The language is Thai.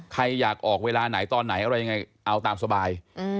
ใครอยากออกเวลาไหนตอนไหนอะไรยังไงเอาตามสบาย